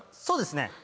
そうですね。